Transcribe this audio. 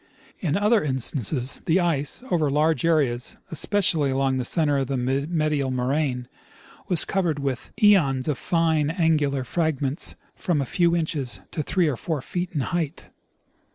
In other instances the ice over large areas, especially along the center of the medial moraine, was covered with cones of fine, angular frag ments from a few inches to three or four feet in height.